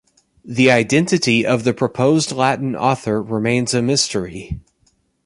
The identity of the proposed Latin author remains a mystery.